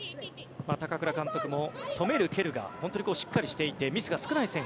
高倉監督も止める、蹴るが本当にしっかりしていてミスが少ない選手。